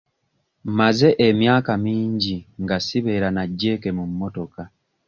Mmaze emyaka mingi nga sibeera na jjeeke mu mmotoka.